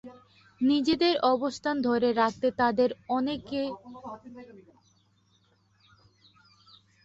নিজেদের অবস্থান ধরে রাখতে তাঁদের অনেকে বিভিন্ন জায়গায় তদবির শুরু করেছেন।